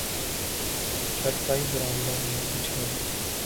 چارپائی برآمدہ میں بچھا دو